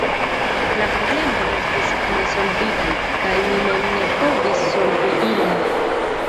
La problemoj restis nesolvitaj, kaj mi mem ne povis solvi ilin.